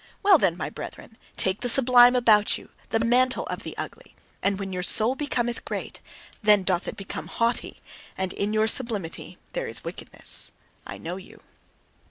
Well then, my brethren, take the sublime about you, the mantle of the ugly! And when your soul becometh great, then doth it become haughty, and in your sublimity there is wickedness. I know you.